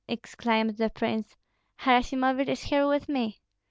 exclaimed the prince, "Harasimovich is here with me.